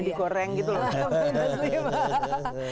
dan di goreng gitu loh hahaha